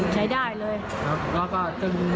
ใช้ได้เลย